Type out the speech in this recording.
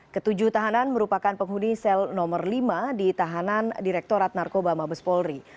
ketujuh tahanan merupakan penghuni sel nomor lima di tahanan direktorat narkoba mabes polri